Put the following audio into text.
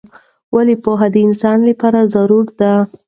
ولې پوهه د انسان لپاره ضروری ده؟